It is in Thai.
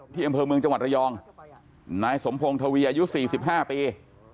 อำเภอเมืองจังหวัดระยองนายสมพงศ์ทวีอายุ๔๕ปี